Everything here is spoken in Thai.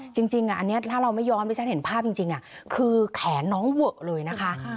จริงอันนี้ถ้าเราไม่ยอมที่ฉันเห็นภาพจริงคือแขนน้องเวอะเลยนะคะ